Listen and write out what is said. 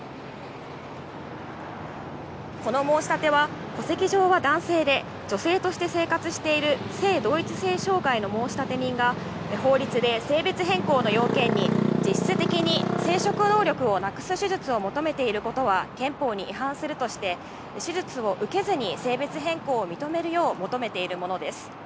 この申し立ては、戸籍上は男性で女性として生活している性同一性障害の申立人が法律で性別変更の要件に、実質的に生殖能力をなくす手術を求めていることは、憲法に違反するとして、手術を受けずに性別変更を認めるよう求めているものです。